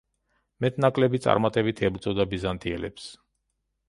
მეტ-ნაკლები წარმატებით ებრძოდა ბიზანტიელებს.